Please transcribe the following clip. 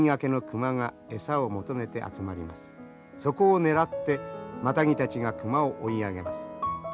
そこを狙ってマタギたちが熊を追い上げます。